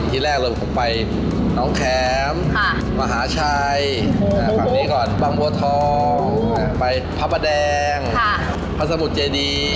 ที่แรกเลยผมไปน้องแคมมหาชัยฝั่งนี้ก่อนบางบัวทองไปพระประแดงพระสมุทรเจดี